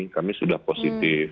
kami sudah positif